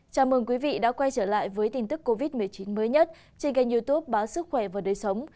chào mừng quý vị đã quay trở lại với tin tức covid một mươi chín mới nhất trên kênh youtube báo sức khỏe và đời sống